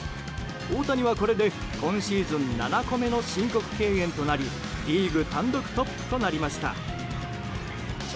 大谷はこれで今シーズン７個目の申告敬遠となりリーグ単独トップとなりました。